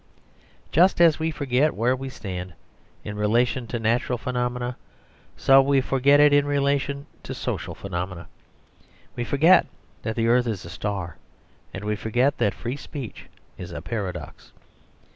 Just as we forget where we stand in relation to natural phenomena, so we forget it in relation to social phenomena. We forget that the earth is a star, and we forget that free speech is a paradox.